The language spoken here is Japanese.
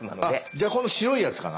じゃあこの白いやつかな？